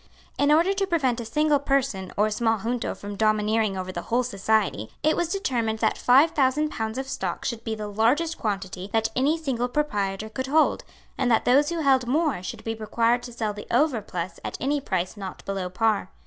In order to prevent a single person or a small junto from domineering over the whole society, it was determined that five thousand pounds of stock should be the largest quantity that any single proprietor could hold, and that those who held more should be required to sell the overplus at any price not below par.